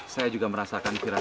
sudah tidak ada waktu lagi